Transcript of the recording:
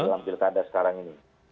dalam pilkada sekarang ini